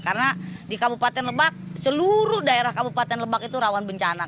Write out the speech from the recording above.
karena di kabupaten lebak seluruh daerah kabupaten lebak itu rawan bencana